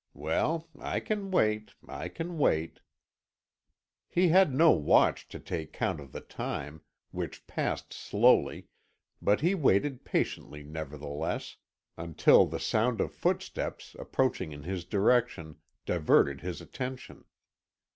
Well, I can wait I can wait." He had no watch to take count of the time, which passed slowly; but he waited patiently nevertheless, until the sound of footsteps, approaching in his direction, diverted his attention.